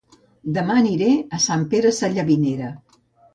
Dema aniré a Sant Pere Sallavinera